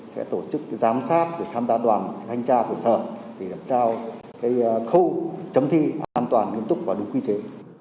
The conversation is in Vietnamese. sẽ tổ chức giám sát để tham gia đoàn thanh tra của sở để đảm trao khâu chấm thi an toàn nguyên tục và đúng quy chế